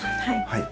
はい。